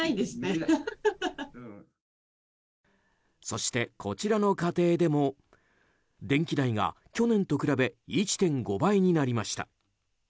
そして、こちらの家庭でも電気代が去年と比べ１．５倍になりました。